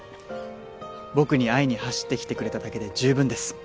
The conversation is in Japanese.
僕に会いに走って来てくれただけで十分です